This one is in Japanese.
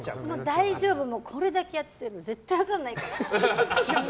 大丈夫、これだけやってるから絶対バレないからって。